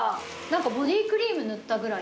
ボディクリーム塗ったぐらい。